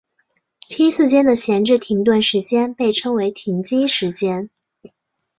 批次间的闲置停顿时间被称为停机时间。